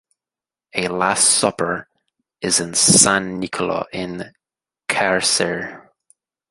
A "Last Supper" is in San Nicola in Carcere.